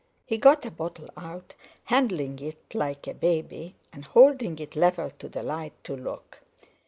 He got a bottle out, handling it like a baby, and holding it level to the light, to look.